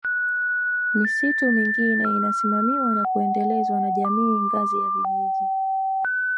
Misitu mingine inasimamiwa na kuendelezwa na Jamii ngazi ya Vijiji